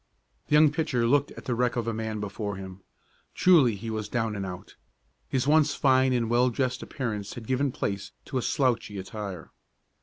The young pitcher looked at the wreck of the man before him. Truly he was "down and out." His once fine and well dressed appearance had given place to a slouchy attire.